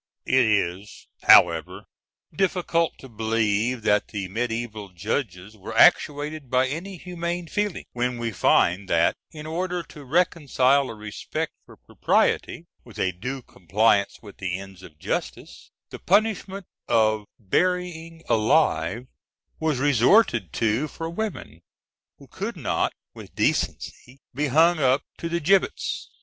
It is, however, difficult to believe that the mediæval judges were actuated by any humane feelings, when we find that, in order to reconcile a respect for propriety with a due compliance with the ends of justice, the punishment of burying alive was resorted to for women, who could not with decency be hung up to the gibbets.